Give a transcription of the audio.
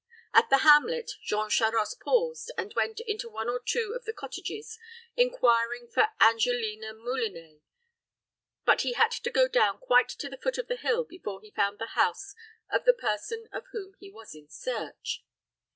At the hamlet, Jean Charost paused, and went into one or two of the cottages inquiring for Angelina Moulinet; but he had to go down quite to the foot of the hill before he found the house of the person of whom he was in search.